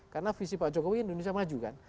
karena visi pak jokowi indonesia maju kan